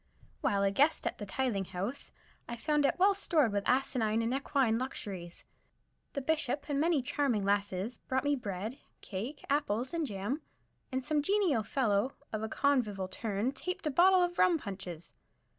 While a guest at the Tithing House, I found it well stored with asinine and equine luxuries. The Bishop and many charming lasses brought me bread, cake, apples and jam, and some genial fellow of a convivial turn tapped a bottle of rum punches.